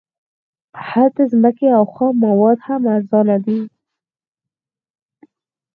هلته ځمکې او خام مواد هم ارزانه دي